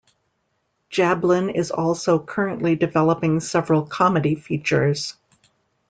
Jablin is also currently developing several comedy features.